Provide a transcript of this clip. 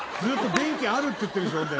ずっと「電気ある」って言ってるし。